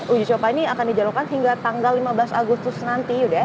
ujicoba ini akan dijadwalkan hingga tanggal lima belas agustus nanti